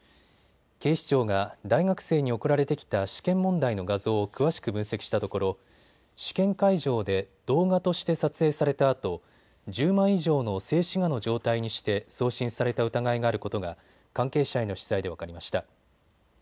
警視庁が大学生に送られてきた試験問題の画像を詳しく分析したところ試験会場で、動画として撮影されたあと１０枚以上の静止画の状態にして送信された疑いがあることが関係者への取材で分かりました。